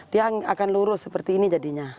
dia akan lurus seperti ini jadinya